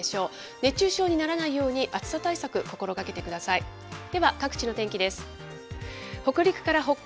熱中症にならないように、暑さ対策、心がけてください。